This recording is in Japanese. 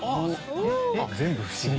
全部不思議！